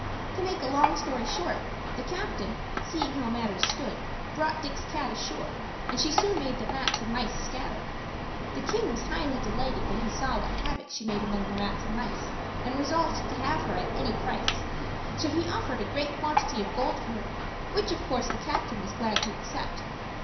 To make a long story short, the captain, seeing how matters stood, brought Dick's cat ashore, and she soon made the rats and mice scatter. The king was highly delighted when he saw what havoc she made among the rats and mice, and resolved to have her at any price. So he offered a great quantity of gold for her, which, of course, the captain was glad to accept.